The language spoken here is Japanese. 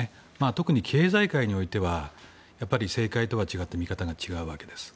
特に経済界においては政界とは違って見方が違うわけです。